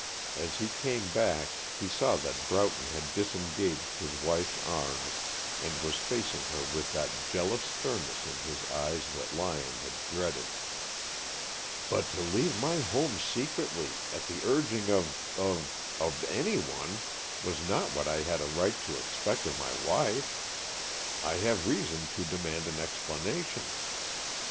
As he came back, he saw that Broughton had disengaged his wife's arms and was facing her with that jealous sternness in his eyes that Lyon had dreaded. "But to leave my home secretly, at the urging of of of anyone, was not what I have a right to expect of my wife. I have reason to demand an explanation."